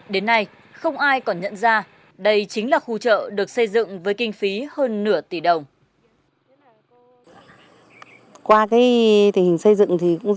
đến nay không ai còn nhận ra đây chính là khu chợ được xây dựng với kinh phí hơn nửa tỷ đồng